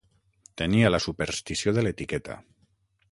Tenia la superstició de l'etiqueta.